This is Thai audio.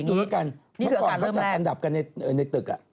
เพราะว่าเขาจัดอันดับกันในตึก